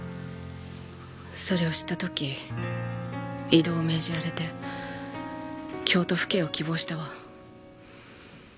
それを知った時異動を命じられて京都府警を希望したわ。